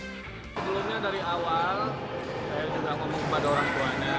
sebelumnya dari awal saya juga ngomong kepada orang tuanya